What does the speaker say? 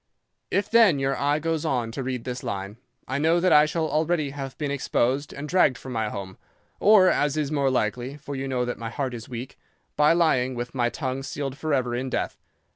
"'If then your eye goes on to read this line, I know that I shall already have been exposed and dragged from my home, or as is more likely, for you know that my heart is weak, by lying with my tongue sealed forever in death.